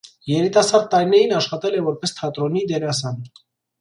Երիտասարդ տարիներին աշխատել է որպես թատրոնի դերասան։